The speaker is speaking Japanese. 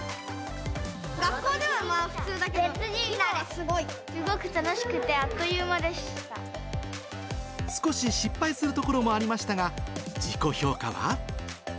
学校では普通だけど、今はすすごく楽しくて、あっという少し失敗するところもありましたが、自己評価は？